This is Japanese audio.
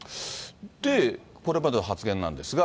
これまでの発言なんですが。